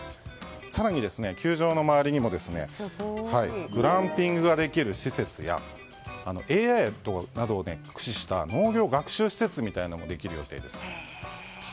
更に、球場の周りにもグランピングができる施設やＡＩなどを駆使した農業学習施設などもできる予定です。